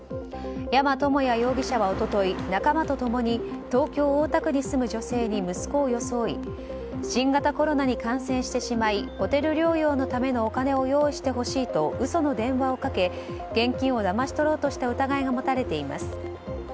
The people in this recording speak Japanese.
山智也容疑者は一昨日仲間と共に東京・大田区に住む女性に新型コロナに感染してしまいホテル療養のためのお金を用意してほしいと嘘の電話をかけ現金をだまし取ろうとした疑いが持たれています。